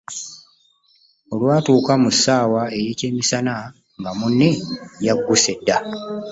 Olwatuuka mu ssaawa y'ekyemisana nga munne yagguse dda.